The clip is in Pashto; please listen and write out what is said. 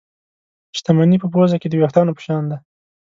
شتمني په پوزه کې د وېښتانو په شان ده.